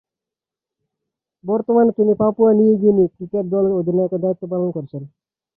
বর্তমানে তিনি Papua New Guinea cricket দলের অধিনায়কের দায়িত্ব পালন করছেন।